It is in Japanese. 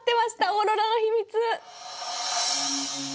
オーロラの秘密！